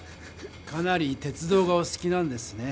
かなり鉄道がおすきなんですね？